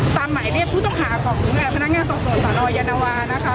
ตามหมายเรียกผู้ต้องหาของพนักงานสวนสนลอยยันวานะคะ